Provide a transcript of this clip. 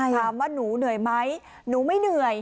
ถามว่าหนูเหนื่อยไหมหนูไม่เหนื่อย